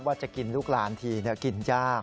จะกินลูกหลานทีกินยาก